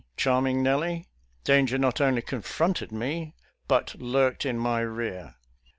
Charm ing Nellie, danger not only confronted me, but lurked in my rear.